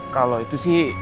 kalau itu sih